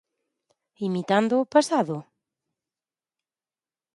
Imitando o pasado?